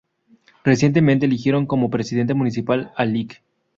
Recientemente eligieron como Presidente municipal al Lic.